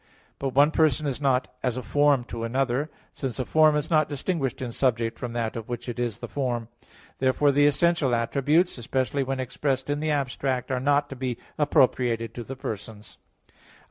But one person is not as a form to another; since a form is not distinguished in subject from that of which it is the form. Therefore the essential attributes, especially when expressed in the abstract, are not to be appropriated to the persons. Obj.